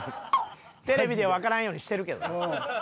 テレビではわからんようにしてるけどな。